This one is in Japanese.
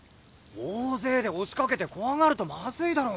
大勢で押しかけて怖がるとまずいだろ。